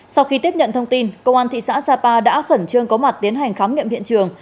sau khi tiếp nhận thông tin công an thị xã sapa đã khẩn trương có mặt tiến hành khám nghiệm hiện trường